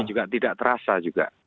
juga tidak terasa juga